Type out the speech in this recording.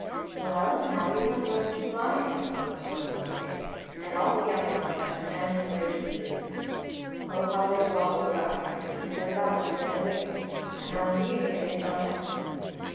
" Well, now you must learn to fly," said the mother stork one day; and all the young ones had to stand on the ridge of the roof. Oh, how they wobbled about trying to keep their balance with their wings, and how nearly they fell down.